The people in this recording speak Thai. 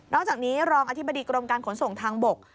อกจากนี้รองอธิบดีกรมการขนส่งทางบก